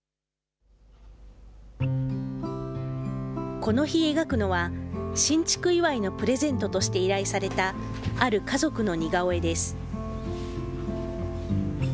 この日描くのは、新築祝いのプレゼントとして依頼された、ある家族の似顔絵です。